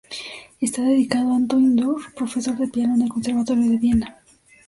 Está dedicado a Antoine Door, profesor de piano en el Conservatorio de Viena.